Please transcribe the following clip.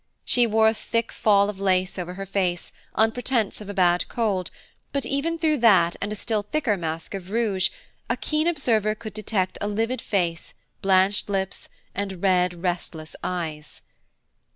She wore a thick fall of lace over her face, on pretence of a bad cold, but even through that and a still thicker mask of rouge, a keen observer could detect a livid face, blanched lips, and red, restless eyes.